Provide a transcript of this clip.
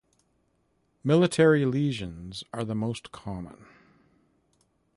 Miliary lesions are the most common.